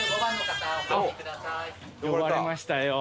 呼ばれましたよ。